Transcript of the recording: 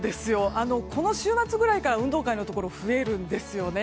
この週末ぐらいから運動会のところが増えるんですよね。